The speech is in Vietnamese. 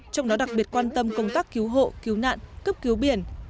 trong đó đặc biệt quan tâm công tác cứu hộ cứu nạn cấp cứu biển